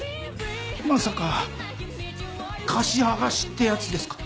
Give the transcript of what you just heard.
まさか貸し剥がしってやつですか？